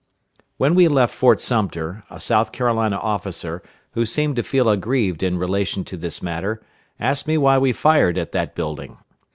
When we left Fort Sumter, a South Carolina officer, who seemed to feel aggrieved in relation to this matter, asked me why we fired at that building.